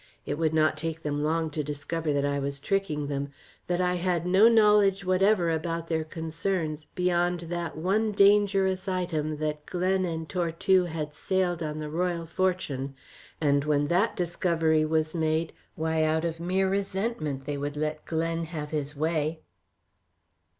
It would not take them long to discover that I was tricking them, that I had no knowledge whatever about their concerns beyond that one dangerous item that Glen and Tortue had sailed on the Royal Fortune, and when that discovery was made, why, out of mere resentment they would let Glen have his way.